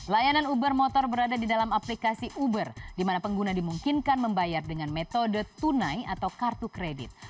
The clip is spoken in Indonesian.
layanan uber motor berada di dalam aplikasi uber di mana pengguna dimungkinkan membayar dengan metode tunai atau kartu kredit